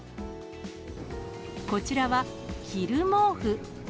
こちらは、着る毛布。